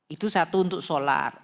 itu satu untuk solar